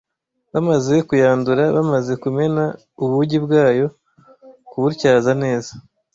Bamaze kuyandura: Bamaze kumena ubugi bwayo (kubutyaza neza).